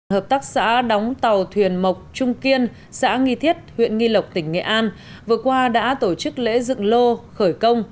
hợp tác xã đóng tàu thuyền mộc trung kiên xã nghi thiết huyện nghi lộc tỉnh nghệ an vừa qua đã tổ chức lễ dựng lô khởi công